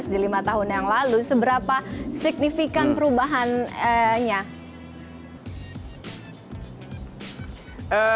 di lima tahun yang lalu seberapa signifikan perubahannya